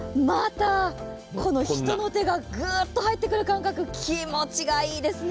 この人の手がグッと入ってくる感覚、気持ちいいですね。